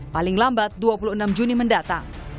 paling lambat dua puluh enam juni mendatang